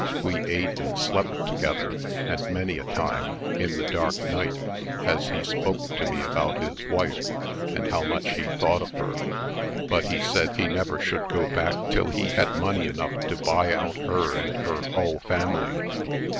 We ate and slept together, and many a time, in the dark night, has he spoke to me about his wife, and how much he thought of her; but he said he never should go back till he had money enough to buy out her and her hull family.